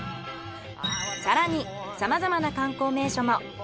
更にさまざまな観光名所も。